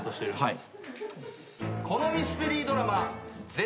はい。